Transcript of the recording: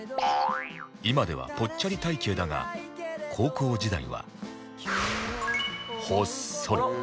今ではぽっちゃり体形だが高校時代はほっそり